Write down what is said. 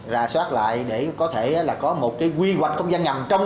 ra soát lại để có thể có một quy hoạch không gian ngầm